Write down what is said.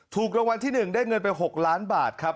ถูกรางวัลที่๑ได้เงินไป๖ล้านบาทครับ